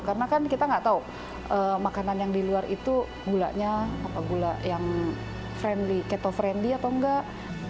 karena kan kita nggak tahu makanan yang di luar itu gulanya apa gula yang friendly keto friendly atau nggak